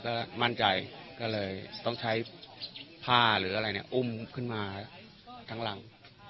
ก็มั่นใจก็เลยต้องใช้ผ้าหรืออะไรเนี่ยอุ้มขึ้นมาทั้งหลัง